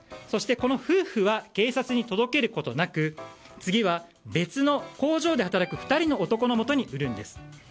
そして、この夫婦は警察に届けることなく次は別の工場で働く別の２人の男のもとに売るんです。